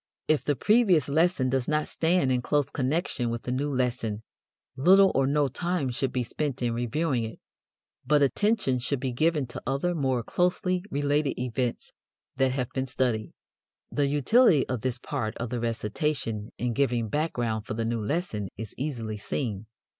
If the previous lesson does not stand in close connection with the new lesson little or no time should be spent in reviewing it, but attention should be given to other more closely related events that have been studied. The utility of this part of the recitation in giving background for the new lesson is easily seen.